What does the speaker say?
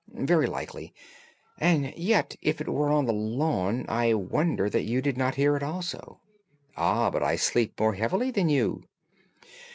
"'Very likely. And yet if it were on the lawn, I wonder that you did not hear it also.' "'Ah, but I sleep more heavily than you.